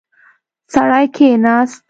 سړی کېناست.